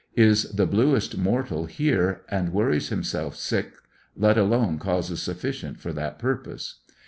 Is the bluest mortal here, and worries himself sick, let alone causes sufficient for that purpose.